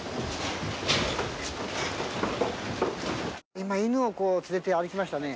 今、犬を連れて歩きましたね。